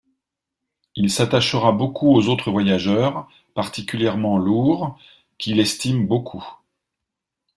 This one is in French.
Il s'attachera beaucoup aux autres voyageurs, particulièrement Loor, qu'il estime beaucoup.